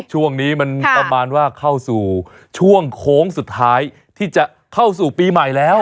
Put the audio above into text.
ช่วงนี้มันประมาณว่าเข้าสู่ช่วงโค้งสุดท้ายที่จะเข้าสู่ปีใหม่แล้ว